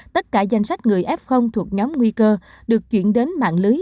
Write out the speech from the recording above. tất cả danh sách người f thuộc nhóm nguy cơ được chuyển đến mạng lưới